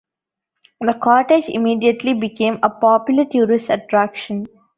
The cottage immediately became a popular tourist attraction.